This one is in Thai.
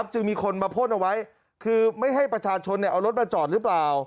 จึงมีคนมาพ่นเอาไว้คือไม่ให้ประชาชนเอารถมาจอดหรือเปล่า